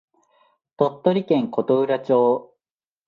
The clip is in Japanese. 鳥取県琴浦町